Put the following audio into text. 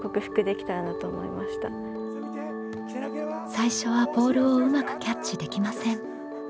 最初はボールをうまくキャッチできません。